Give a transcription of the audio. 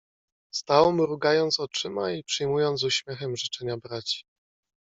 "Stał mrugając oczyma i przyjmując z uśmiechem życzenia braci."